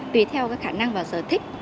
tùy theo khả năng và sở thích